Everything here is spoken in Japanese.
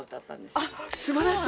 あっすばらしい！